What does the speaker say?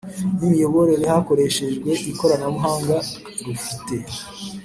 N imiyoborere hakoreshejwe ikoranabuhanga rufite